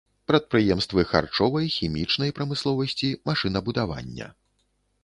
Прадпрыемствы харчовай, хімічнай прамысловасці, машынабудавання.